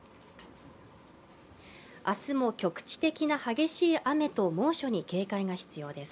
明日も局地的な激しい雨と猛暑に警戒が必要です。